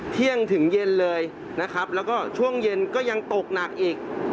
เที่ยงถึงเย็นเลยนะครับแล้วก็ช่วงเย็นก็ยังตกหนักอีก